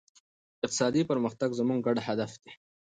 اقتصادي پرمختګ زموږ ګډ هدف دی.